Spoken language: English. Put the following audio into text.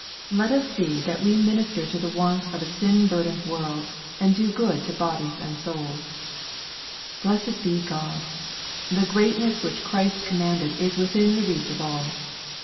Let us see that we mini* LUKE, CHAP. XXII. 405 ter to the waats of a sin burdened world, and do good to bodies and souls. Blessed be God 1 the greatness which Christ commended is within the reach of all.